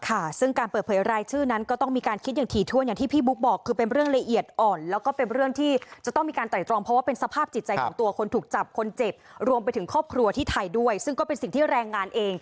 ค่ะซึ่งการเปิดเผยรายชื่อนั้นก็ต้องมีการคิดอย่างถี่ถ้วน